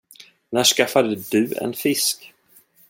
När skaffade du en fisk?